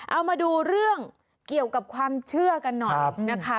เอามาดูเรื่องเกี่ยวกับความเชื่อกันหน่อยนะคะ